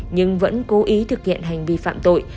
nhưng vẫn cố ý thực hiện hành vi phạm tội